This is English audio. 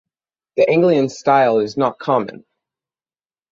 The Anglian style is not common.